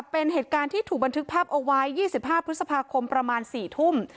เป็นเหตุการณ์ที่ถูกบันทึกภาพเอาไว้๒๕พฤษภาคมประมาณ๔ทุ่ม